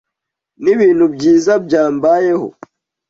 Nibintu byiza byambayeho.